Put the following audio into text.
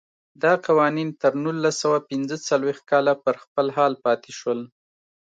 دا قوانین تر نولس سوه پنځه څلوېښت کاله پر خپل حال پاتې شول.